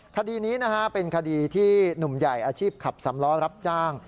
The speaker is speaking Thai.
คดีนี้นะฮะเป็นคดีที่หนุ่มใหญ่อาชีพขับสำล้อรับจ้าง